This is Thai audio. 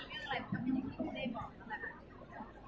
เวลาแรกพี่เห็นแวว